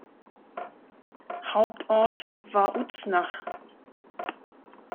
Hauptort war Uznach.